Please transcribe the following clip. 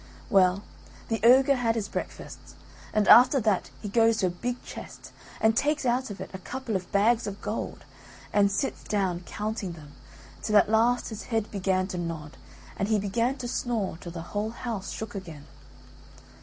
Well, the ogre had his breakfast, and after that he goes to a big chest and takes out of it a couple of bags of gold and sits down counting them till at last his head began to nod and he began to snore till the whole house shook again.